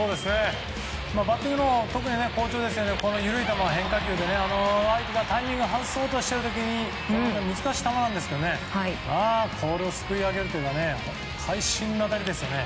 バッティングのほうは特に好調でして緩い変化球を相手がタイミングを外そうとしている時に難しい球なんですがこれをすくい上げるというのは会心ですね。